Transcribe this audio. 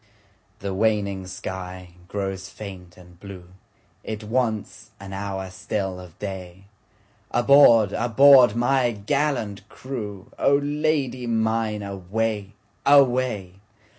The waning sky grows faint and blue, It wants an hour still of day, Aboard! aboard! my gallant crew,O Lady mine away! away!